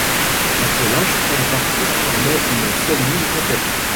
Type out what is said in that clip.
L’attelage prêt à partir formait une seule ligne complète.